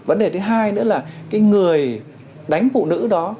vấn đề thứ hai nữa là cái người đánh phụ nữ đó